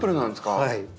はい。